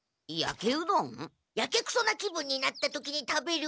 やけくそな気分になった時に食べるうどん。